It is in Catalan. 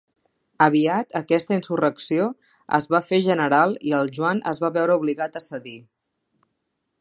Aviat, aquesta insurrecció es va fer general i el Joan es va veure obligat a cedir.